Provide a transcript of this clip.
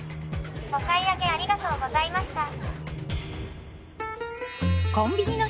「お買い上げありがとうございました」。